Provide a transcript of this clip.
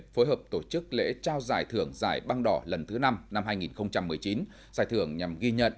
phối hợp tổ chức lễ trao giải thưởng giải băng đỏ lần thứ năm năm hai nghìn một mươi chín giải thưởng nhằm ghi nhận